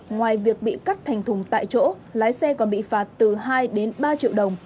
ngoài việc bị cắt thành thùng tại chỗ lái xe còn bị phạt từ hai đến ba triệu đồng